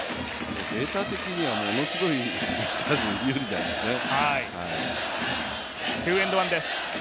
データ的にはものすごいベイスターズが有利なんですね。